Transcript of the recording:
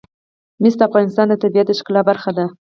مس د افغانستان د طبیعت د ښکلا برخه ده.